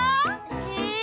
へえ！